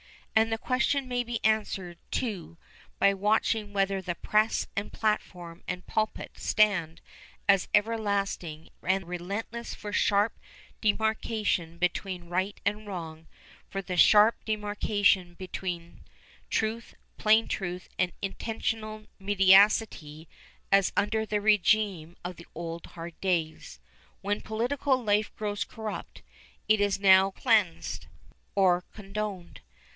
And the question may be answered, too, by watching whether the press and platform and pulpit stand as everlastingly and relentlessly for sharp demarkation between right and wrong, for the sharp demarkation between truth, plain truth, and intentional mendacity, as under the régime of the old hard days. When political life grows corrupt, is it now cleansed, or condoned?